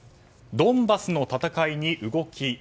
ドンバスの戦いに動き。